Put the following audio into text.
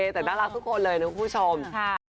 แต่น่ารักทุกคนเลยนะคุณผู้ชม